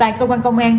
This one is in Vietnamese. tại cơ quan công an